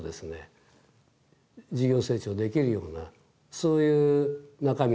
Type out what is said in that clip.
事業成長できるようなそういう中身に変えていくと。